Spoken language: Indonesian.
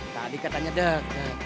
tadi katanya deket